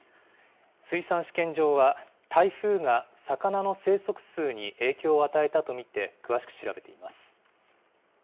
水産試験場は台風が魚の生息数に影響を与えたと見て、詳しく調べています。